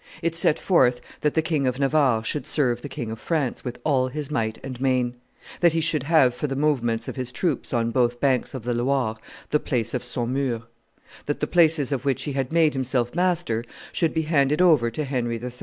It set forth that the King of Navarre should serve the King of France with all his might and main; that he should have, for the movements of his troops on both banks of the Loire, the place of Saumur; that the places of which he made himself master should be handed over to Henry III.